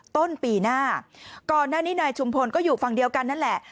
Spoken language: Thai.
ต้นปีหน้าก่อนหน้านี้นายชุมพลก็อยู่ฝั่งเดียวกันนั่นแหละ